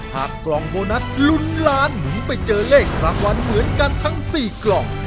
กล่องโบนัสลุ้นล้านหมุนไปเจอเลขรางวัลเหมือนกันทั้ง๔กล่อง